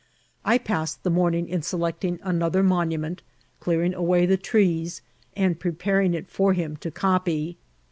I passed the morning in selecting another monument, clearing away the trees, and preparing it for him to copy.